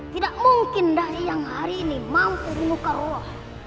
tidak mungkin dari yang hari ini mampu menyukai roh